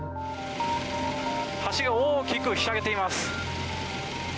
橋が大きくひしゃげています。